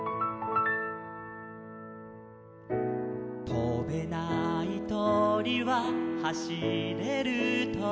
「とべないとりははしれるとり」